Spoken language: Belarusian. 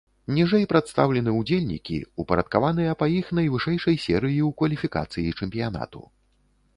Ніжэй прадстаўлены ўдзельнікі, упарадкаваныя па іх найвышэйшай серыі ў кваліфікацыі чэмпіянату.